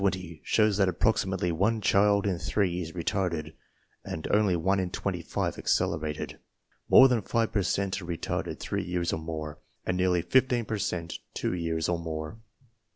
(Strayer) Table 20 shows that approximately one child in three is retarded, and only one in twenty five accelerated. More than five per cent are retarded three years or more, and nearly fifteen per cent two years or more.